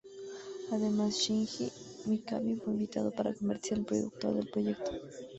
Además Shinji Mikami fue invitado para convertirse en el productor del proyecto.